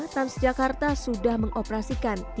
transjakarta sudah mengoperasikan